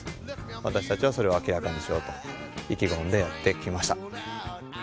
私たちはそれを明らかにしようと意気込んでやって来ました。